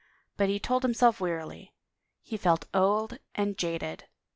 But he told him self wearily. He felt old and jaded.